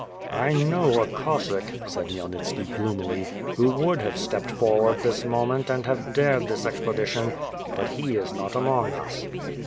"I know a Cossack," said Khmyelnitski gloomily, "who would have stepped forward this moment and have dared this expedition; but he is not among us.